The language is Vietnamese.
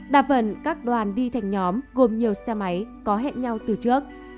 đa phần các đoàn đi thành nhóm gồm nhiều xe máy có hẹn nhau từ trước